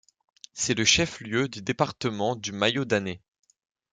C'est le chef-lieu du département du Mayo-Danay.